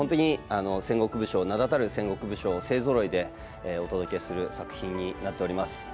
戦国武将、名だたる戦国武将勢ぞろいでお届けする作品になっております。